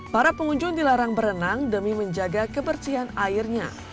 para pengunjung dilarang berenang demi menjaga kebersihan airnya